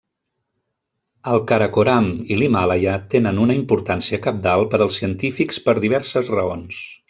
El Karakoram i l'Himàlaia tenen una importància cabdal per als científics per diverses raons.